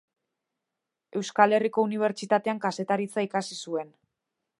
Euskal Herriko Unibertsitatean Kazetaritza ikasi zuen.